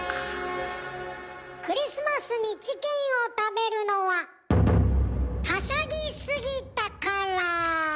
クリスマスにチキンを食べるのははしゃぎ過ぎたから。